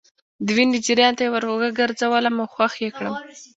د وينا جريان ته يې ور ګرځولم او خوښ يې کړم.